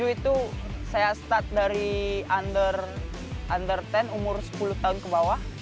tujuh itu saya start dari undertain umur sepuluh tahun ke bawah